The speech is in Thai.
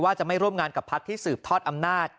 จะไม่ร่วมงานกับพักที่สืบทอดอำนาจ